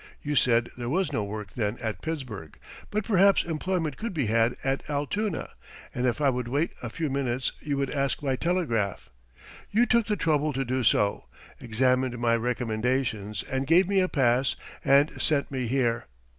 You said there was no work then at Pittsburgh, but perhaps employment could be had at Altoona, and if I would wait a few minutes you would ask by telegraph. You took the trouble to do so, examined my recommendations, and gave me a pass and sent me here.